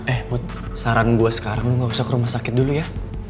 eh put saran gue sekarang lo gak usah ke rumah sakit dulu ya